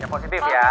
yang positif ya